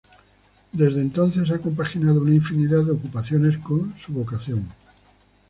Desde entonces ha compaginado una infinidad de ocupaciones con su vocación.